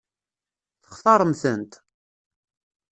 Textaṛem-tent?